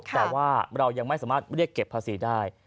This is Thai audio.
แต่ว่าเรายังไม่สามารถเรียกเก็บภาษีได้